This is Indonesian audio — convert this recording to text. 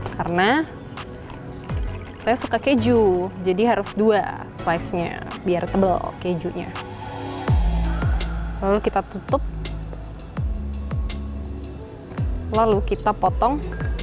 karena saya suka keju jadi harus dua slice nya biar tebel kejunya lalu kita tutup lalu kita potong